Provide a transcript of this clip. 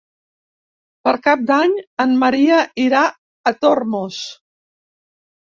Per Cap d'Any en Maria irà a Tormos.